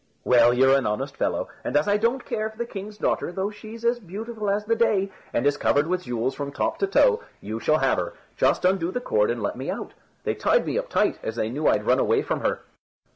"Well, you're an honest fellow, and as I don't care for the king's daughter, though she's as beautiful as the day, and is covered with jewels from top to toe, you shall have her. Just undo the cord, and let me out; they tied me up tight, as they knew I'd run away from her."